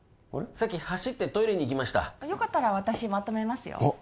さっき走ってトイレに行きましたよかったら私まとめますよおっ！